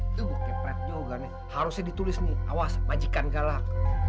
itu bukitret juga nih harusnya ditulis nih awas majikan galak